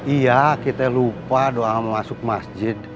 iya kita lupa doang mau masuk masjid